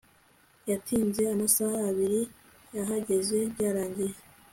yatinze amasaha abiri yahageze byarangiye